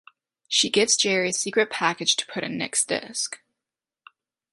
She gives Jerry a secret package to put in Nick's desk.